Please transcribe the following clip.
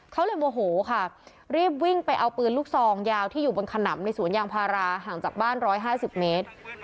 เขาเลยโมโหค่ะรีบวิ่งไปเอาปืนลูกซองยาวที่อยู่บนขนำในสวนยางพาราห่างจากบ้าน๑๕๐เมตร